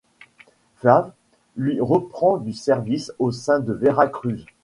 Flav', lui, reprend du service au sein de Vera Cruz.